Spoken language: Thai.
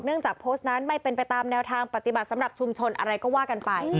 จากโพสต์นั้นไม่เป็นไปตามแนวทางปฏิบัติสำหรับชุมชนอะไรก็ว่ากันไป